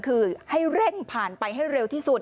คือให้เร่งผ่านไปให้เร็วที่สุด